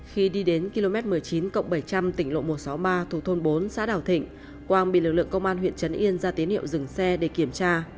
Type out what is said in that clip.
khi đi đến km một mươi chín cộng bảy trăm linh tỉnh lộ một trăm sáu mươi ba thuộc thôn bốn xã đảo thịnh quang bị lực lượng công an huyện trấn yên ra tín hiệu dừng xe để kiểm tra